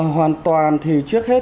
hoàn toàn thì trước hết